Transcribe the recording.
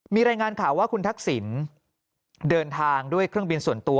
มีรายงานข่าวว่าคุณทักษิณเดินทางด้วยเครื่องบินส่วนตัว